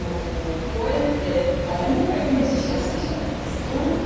公園って誰もがイメージしやすいじゃないですか。